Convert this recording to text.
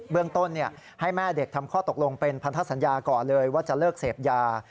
เรื่องต้นให้แม่เด็กทำข้อตกลงเป็นพันธสัญญาก่อนเลยว่าจะเลิกเสพยา